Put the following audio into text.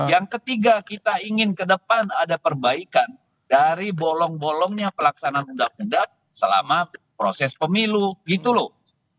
yang ketiga kita ingin ke depan ada perbaikan dari bolong bolongnya pelaksanaan undang undang selama proses pemilu gitu loh